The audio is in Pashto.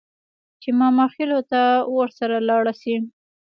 چې ماماخېلو ته ورسره لاړه شي.